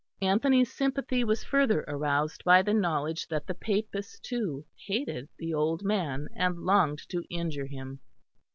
Anthony's sympathy was further aroused by the knowledge that the Papists, too, hated the old man, and longed to injure him.